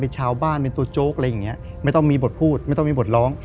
ชาวบ้านเป็นตัวโจ๊กอะไรอย่างเงี้ยไม่ต้องมีบทพูดไม่ต้องมีบทร้อง